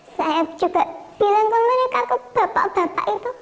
saya juga bilang ke mereka ke bapak bapak itu